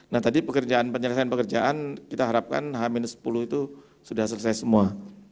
nah tadi penyelesaian pekerjaan kita harapkan h sepuluh itu sudah selesai semua